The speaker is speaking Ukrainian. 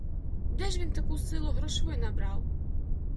Де ж він таку силу грошви набрав?